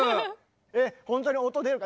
えっ本当に音出るか。